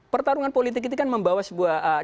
pertarungan politik itu kan membawa sebuah